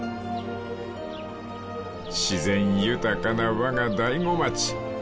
［自然豊かなわが大子町］